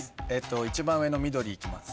一番上の緑いきます。